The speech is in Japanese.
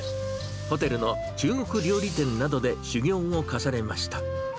ホテルの中国料理店などで修業を重ねました。